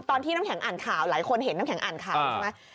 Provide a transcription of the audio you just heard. น้ำแข็งอ่านข่าวหลายคนเห็นน้ำแข็งอ่านข่าวใช่ไหม